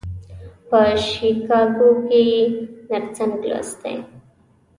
په شیکاګو کې یې نرسنګ لوستی.